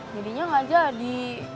jadinya gak jadi